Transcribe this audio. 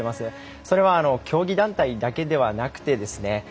それは競技団体だけではなくてですね